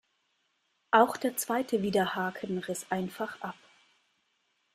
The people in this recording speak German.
Auch der zweite Widerhaken riss einfach ab.